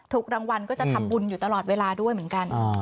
ถูกรางวัลก็จะทำบุญอยู่ตลอดเวลาด้วยเหมือนกัน